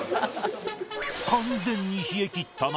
完全に冷えきった中